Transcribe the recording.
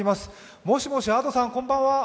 もしもしＡｄｏさんこんばんは。